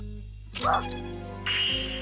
あっ！